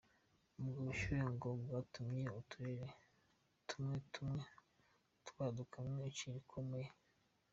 Ubwo bushuhe ngo bwatumye uturere tumwqe tumwe twadukamwo ici rikomeye.